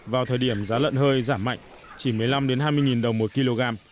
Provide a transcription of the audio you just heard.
vào thời điểm giá lợn hơi giảm mạnh chỉ một mươi năm đến hai mươi nghìn đồng một kg